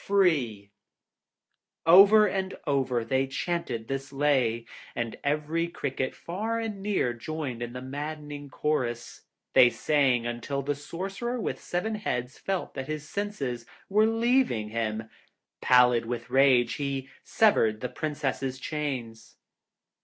' [Footnote 3: Crane's Italian Fairy Tales] Over and over again they chanted this lay, and every cricket, far and near, joined in the maddening chorus. They sang until the Sorcerer with the Seven Heads felt that his senses were leaving him; pallid with rage, he severed the White Princess's chains.